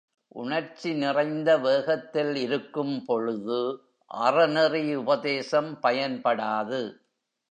உணர்ச்சி நிறைந்த வேகத்தில் இருக்கும் பொழுது அறநெறி உபதேசம் பயன்படாது.